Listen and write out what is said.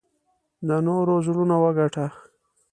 د نورو زړونه وګټه .